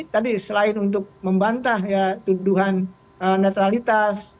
tadi selain untuk membantah ya tuduhan netralitas